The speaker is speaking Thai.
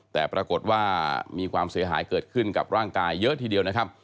แต่ปรากฏว่ามีความเสียหายเกิดขึ้นกับร่างกายเยอะทีเดียวนะครับ